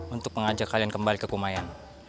untuk mengajak kalian kembali ke kumayan